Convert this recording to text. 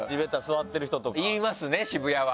いますね渋谷は。